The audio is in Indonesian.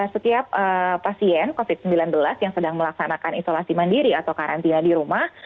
setiap pasien covid sembilan belas yang sedang melaksanakan isolasi mandiri atau karantina di rumah